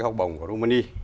học bổng của kumani